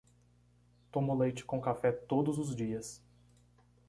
Tomo leite com café todos os dias